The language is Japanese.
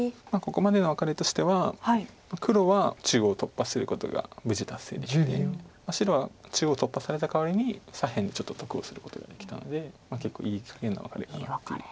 ここまでのワカレとしては黒は中央突破することが無事達成できて白は中央突破されたかわりに左辺でちょっと得をすることができたので結構いい加減のワカレかなっていう。